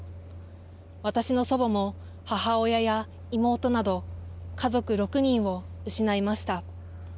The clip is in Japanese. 私の祖母も、母親や妹など、家族６人を失いました。